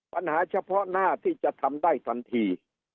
ปัญหาเฉพาะหน้าที่จะทำได้ทันที